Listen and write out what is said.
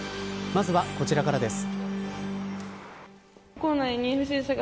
まずは、こちらからです。